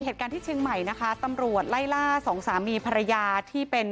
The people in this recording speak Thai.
เหตุการณ์ที่เชียงใหม่นะคะตำรวจไล่ล่าสองสามีภรรยาที่เป็น